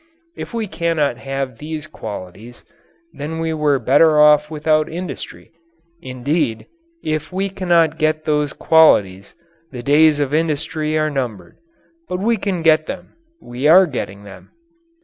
If we cannot have these qualities, then we were better off without industry. Indeed, if we cannot get those qualities, the days of industry are numbered. But we can get them. We are getting them.